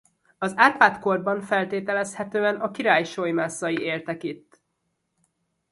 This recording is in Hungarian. Az Árpád-korban feltételezhetően a király solymászai éltek itt.